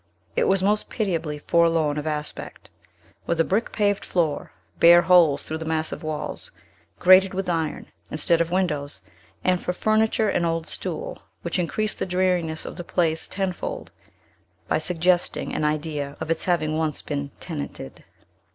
It was most pitiably forlorn of aspect, with a brick paved floor, bare holes through the massive walls, grated with iron, instead of windows, and for furniture an old stool, which increased the dreariness of the place tenfold, by suggesting an idea of its having once been tenanted.